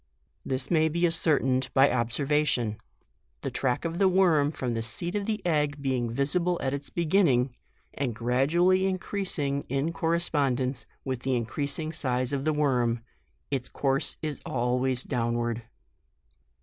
This may be ascertained by observa tion; the tract of the worm from the seat of the egg being visible at its beginning, and gradually increasing in correspondence with the increasing size of the worm, its course is always downward.